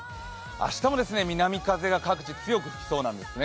明日も南風が各地、強く吹きそうなんですね。